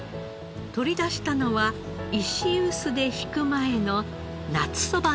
取り出したのは石臼で挽く前の夏そばの実。